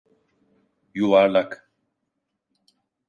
Yuvarlak.